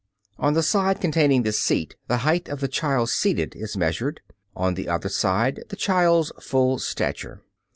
On the side containing the seat the height of the child seated is measured, on the other side the child's full stature.